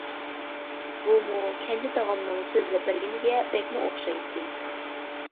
بۇمۇ كەنجى تاغامنىڭ سۆزلەپ بەرگىنىگە بەكمۇ ئوخشايتتى.